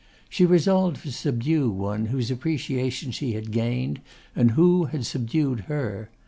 She resolved to subdue one whose appreciation she had gained, and who had subdued her.